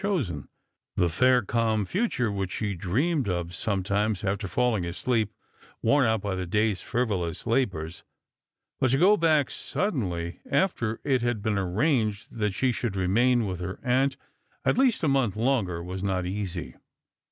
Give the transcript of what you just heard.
175 chosen ; the fair calm future which she dreamed o\ »ometimes, after falling asleep worn out by the day's frivolous labours. But to go back suddenly, after it had been arranged that she should remain with her aunt at least a month longer, was not easy.